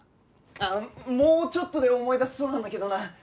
ああもうちょっとで思い出せそうなんだけどな。